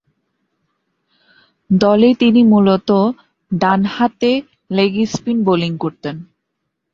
দলে তিনি মূলতঃ ডানহাতে লেগ স্পিন বোলিং করতেন।